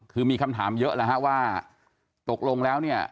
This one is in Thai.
คือมีคำถามเยอะแล้วฮะว่าตกลงแล้วเนี่ย